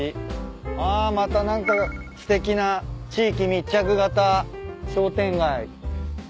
あまた何かすてきな地域密着型商店街。